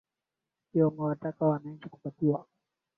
hiyo wamewataka wananchi kupatiwa chanjo mapema uwezeka